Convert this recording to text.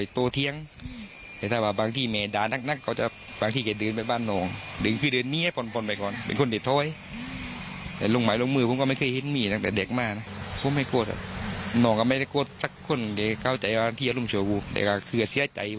ต้องมาติดกรุกกับเสียใจ